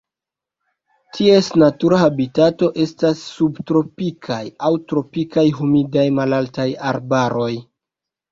Ties natura habitato estas subtropikaj aŭ tropikaj humidaj malaltaj arbaroj.